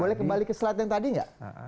boleh kembali ke slide yang tadi nggak